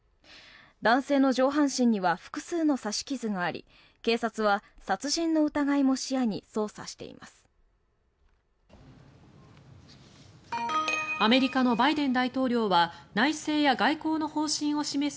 男性の上半身には複数の刺し傷があり警察は殺人の疑いも視野に捜査しています。